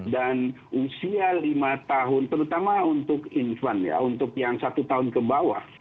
dan usia lima tahun terutama untuk infant ya untuk yang satu tahun ke bawah